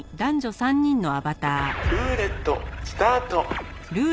「ルーレットスタート！」